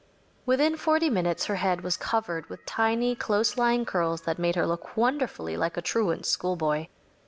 Within forty minutes her head was covered with tiny, close lying curls that made her look wonderfully like a truant schoolboy.